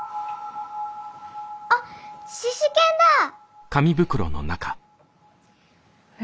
あっシシケンだ！え？